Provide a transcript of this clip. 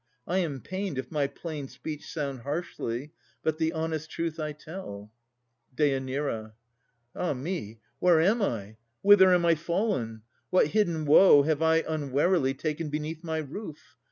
I am pained if my plain speech Sound harshly, but the honest truth I tell. DÊ. Ah me! Where am I? Whither am I fallen? What hidden woe have I unwarily Taken beneath my roof?